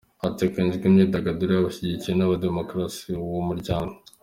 Hateganijwe imyigaragambyo y'abashyigikiye n'abadashyigikiye uwo muryango.